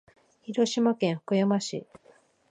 広島県福山市